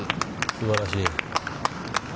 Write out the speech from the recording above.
すばらしい。